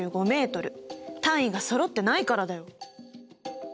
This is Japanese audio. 単位がそろってないからだよ！